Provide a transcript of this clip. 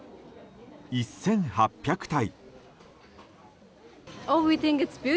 １８００体。